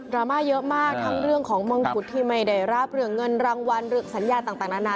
รามาเยอะมากทั้งเรื่องของมงกุฎที่ไม่ได้รับเรื่องเงินรางวัลเรื่องสัญญาต่างนานา